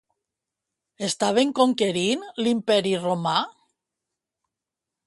Estaven conquerint l'Imperi romà?